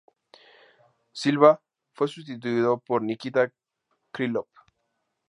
Silva fue sustituido por Nikita Krylov.